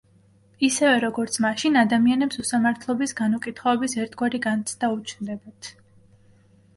ისევე როგორც მაშინ, ადამიანებს უსამართლობის, განუკითხაობის ერთგვარი განცდა უჩნდებათ.